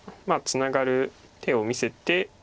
ツナがる手を見せて。